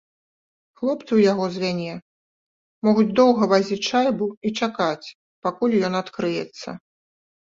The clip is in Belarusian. Хлопцы ў яго звяне могуць доўга вазіць шайбу і чакаць, пакуль ён адкрыецца.